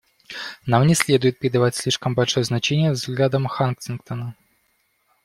Нам не следует придавать слишком большое значение взглядам Хантингтона.